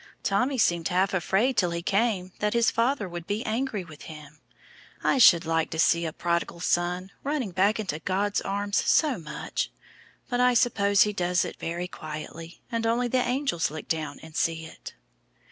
Tommy seemed half afraid till he came, that his father would be angry with him. I should like to see a prodigal son running back into God's arms so much! But I suppose he does it very quietly, and only the angels look down and see it!"